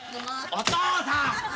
お父さん！